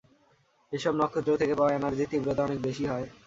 এসব নক্ষত্র থেকে পাওয়া এনার্জির তীব্রতা অনেক বেশি হয়।